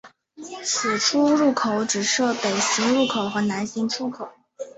此出入口只设北行入口与南行出口。